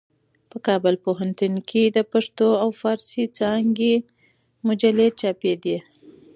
په کابل پوهنتون کې د پښتو او فارسي څانګې مجلې چاپېدې.